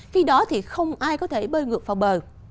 khi đó thì không ai có thể bơi ngược vào bờ